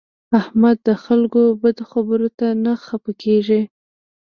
احمد د خلکو بدو خبرو ته نه خپه کېږي.